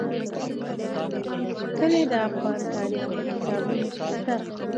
کلي د افغان تاریخ په کتابونو کې شته.